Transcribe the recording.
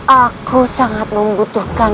aku sangat membutuhkan